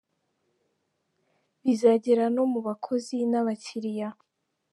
bizagera no mu bakozi n’abakiliya.